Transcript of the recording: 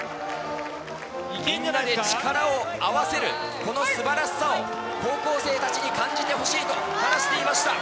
みんなで力を合わせる、このすばらしさを高校生たちに感じてほしいと話していました。